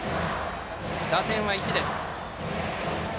打点は１です。